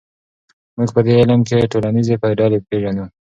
موږ په دې علم کې ټولنیزې ډلې پېژنو.